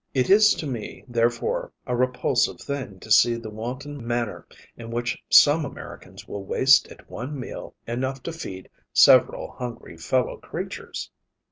It is to me, therefore, a repulsive thing to see the wanton manner in which some Americans will waste at one meal enough to feed several hungry fellow creatures.